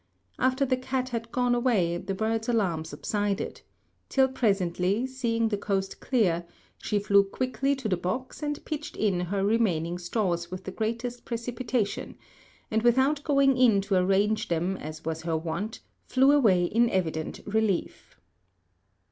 After the cat had gone away the bird's alarm subsided; till presently, seeing the coast clear, she flew quickly to the box and pitched in her remaining straws with the greatest precipitation, and without going in to arrange them as was her wont, flew away in evident relief.